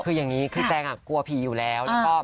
คือแจงกลัวผิอยู่แล้ว